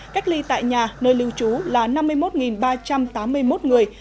cách ly tại nhà nơi lưu trú là năm mươi một ba trăm tám mươi một người